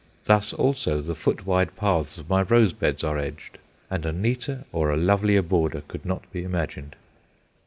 Thus also the foot wide paths of my rose beds are edged; and a neater or a lovelier border could not be imagined.